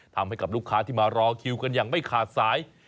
ทำให้กับลูกค้าที่มารอคิวกันอย่างไม่ขาดสาย